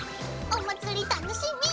お祭り楽しみ！